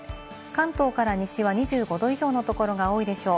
関東から西は２５度以上のところが多いでしょう。